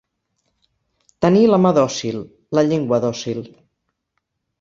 Tenir la mà dòcil, la llengua dòcil.